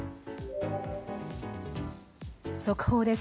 速報です。